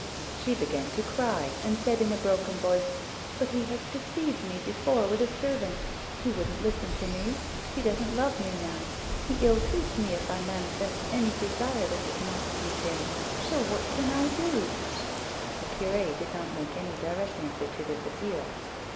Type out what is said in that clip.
She began to cry, and said in a broken voice :" But he has deceived me before with a servant ; he wouldn't listen to me ; he doesn't love me now ; he ill treats me if I manifest any desire that does not please him, so what can IdoV The cure did not make any direct answer to this appeal.